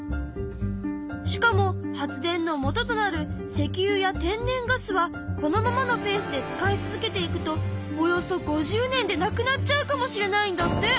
しかも発電のもととなる石油や天然ガスはこのままのペースで使い続けていくとおよそ５０年で無くなっちゃうかもしれないんだって。